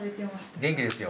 元気ですよ。